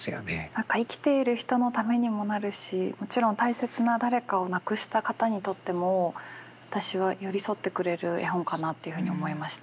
何か生きている人のためにもなるしもちろん大切な誰かを亡くした方にとっても私は寄り添ってくれる絵本かなっていうふうに思いました。